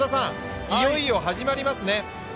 いよいよ始まりますね。